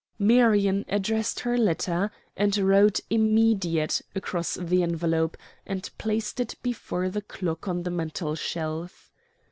Marion addressed her letter and wrote "Immediate" across the envelope, and placed it before the clock on the mantelshelf.